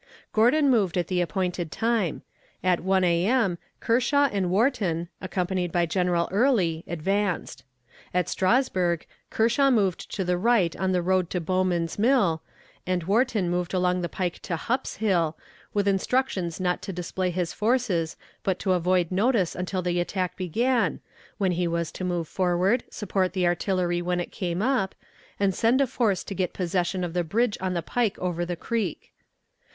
Gordon moved at the appointed time. At 1 A.M. Kershaw and Wharton, accompanied by General Early, advanced. At Strasburg, Kershaw moved to the right on the road to Bowman's Mill, and Wharton moved along the pike to Hupp's Hill, with instructions not to display his forces, but to avoid notice until the attack began, when he was to move forward, support the artillery when it came up, and send a force to get possession of the bridge on the pike over the creek.